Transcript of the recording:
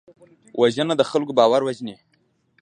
وژنه د خلکو باور وژني